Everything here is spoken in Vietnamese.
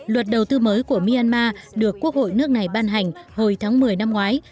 luật đầu tư mới của myanmar được quốc hội nước này ban hành hồi tháng một mươi năm ngoái